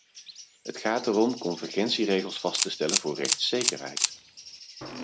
Het gaat erom, convergentieregels vast te stellen voor rechtszekerheid.